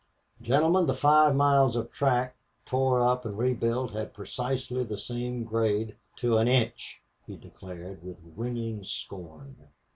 "Gentlemen, the five miles of track torn up and rebuilt had precisely the same grade, to an inch!" he declared, with ringing scorn.